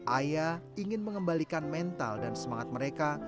ayah ingin mengembalikan mental dan semangat mereka